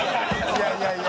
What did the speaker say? いやいやいや。